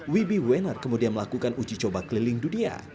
wibi wenner kemudian melakukan uji coba keliling dunia